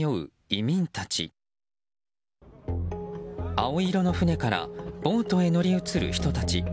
青色の船からボートへ乗り移る人たち。